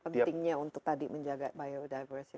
pentingnya untuk tadi menjaga biodiversity